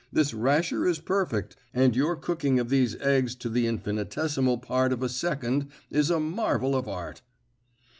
This rasher is perfect, and your cooking of these eggs to the infinitesimal part of a second is a marvel of art."